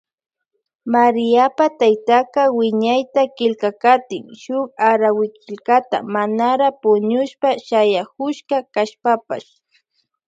Maríapa taytaka wiñayta killkakatin shun arawikillkata manara puñushpa shayakushka kashpapash.